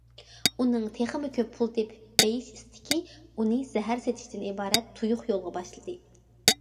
ئۇنىڭ تېخىمۇ كۆپ پۇل تېپىپ بېيىش ئىستىكى ئۇنى زەھەر سېتىشتىن ئىبارەت تۇيۇق يولغا باشلىدى.